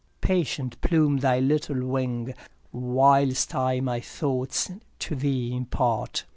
patient plume thy little wing, Whilst I my thoughts to thee impart.